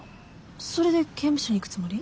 それで刑務所に行くつもり？